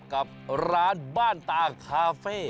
กับร้านบ้านตาคาเฟ่